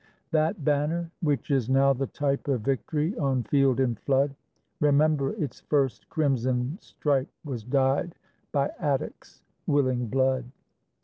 That Banner which is now the type Of victory on field and flood Remember, its first crimson stripe Was dyed by Attucks' willing blood.